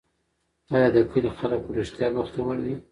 آیا د کلي خلک په رښتیا بختور دي؟